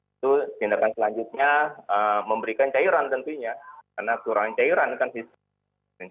itu tindakan selanjutnya memberikan cairan tentunya karena kurangnya cairan kan